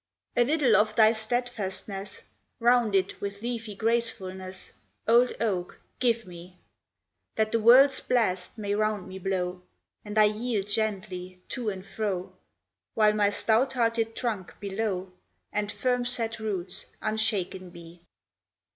A little of thy steadfastness, Rounded with leafy gracefulness, Old oak, give me, That the world's blasts may round me blow, And I yield gently to and fro, While my stout hearted trunk below And firm set roots unshaken be.